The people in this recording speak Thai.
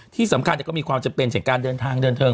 ที่สำคัญก็มีความจำเป็นจากการเดินทางเดินทาง